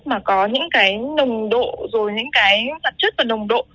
mà có những cái nồng độ rồi những cái vật chất và nồng độ